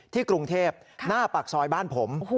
กรุงเทพหน้าปากซอยบ้านผม